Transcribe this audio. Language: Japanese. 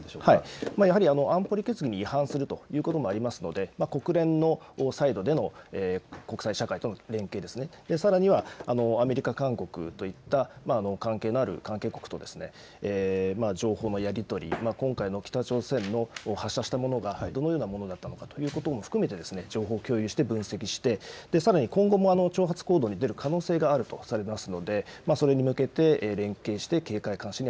やはり安保理決議に違反するということもありますので、国連のサイドでの国際社会との連携ですね、さらには、アメリカ、韓国といった関係のある、関係国と情報のやり取り、今回の北朝鮮の発射したものがどのようなものだったのかということも含めて、情報を共有して分析して、さらに今後も挑発行動に出る可能性があるとされますので、それに向けて連携して警戒監視に